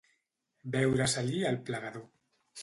Veure-se-li el plegador.